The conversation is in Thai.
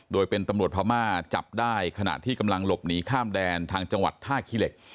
โดยเป็นตำรวจพม่าจับได้ขณะที่กำลังหลบหนีข้ามแดนทางจังหวัดท่าขี้เหล็ก